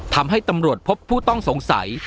ทำให้ตำรวจพบผู้ต้องสงสัย